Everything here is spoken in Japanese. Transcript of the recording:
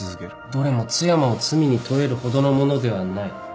どれも津山を罪に問えるほどのものではない。